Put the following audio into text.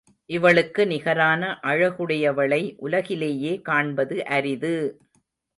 இவளுக்கு நிகரான அழகுடையவளை உலகிலேயே காண்பது அரிது!